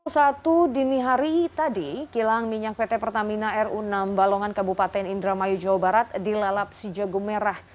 satu dini hari tadi kilang minyak pt pertamina ru enam balongan kabupaten indramayu jawa barat dilalap si jago merah